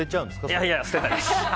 いやいや、捨てないです。